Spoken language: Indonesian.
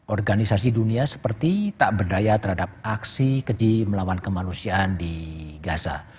organisasi dunia seperti tak berdaya terhadap aksi keji melawan kemanusiaan di gaza